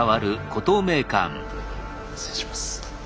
失礼します。